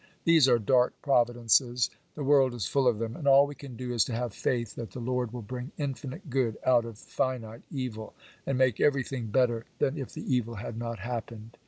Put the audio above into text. These are dark providences; the world is full of them; and all we can do is to have faith that the Lord will bring infinite good out of finite evil, and make everything better than if the evil had not happened.